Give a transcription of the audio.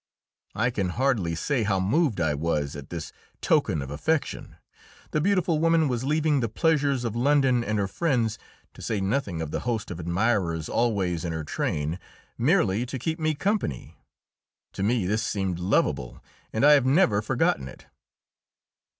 I can hardly say how moved I was at this token of affection. The beautiful woman was leaving the pleasures of London and her friends, to say nothing of the host of admirers always in her train, merely to keep me company. To me this seemed lovable, and I have never forgotten it.